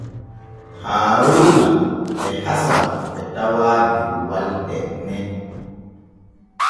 Haaruuna e Hasan e tawaa der walde nen.